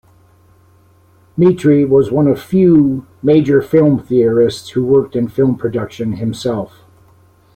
Mitry was one of few major film theorists who worked in film production himself.